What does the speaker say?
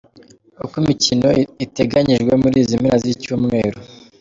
Uko imikino iteganyijwe muri izi mpera z’icyumweru:.